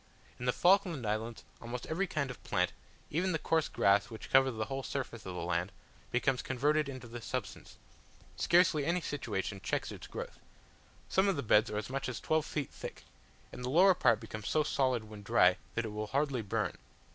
In the Falkland Islands almost every kind of plant, even the coarse grass which covers the whole surface of the land, becomes converted into this substance: scarcely any situation checks its growth; some of the beds are as much as twelve feet thick, and the lower part becomes so solid when dry, that it will hardly burn.